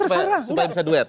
supaya bisa duet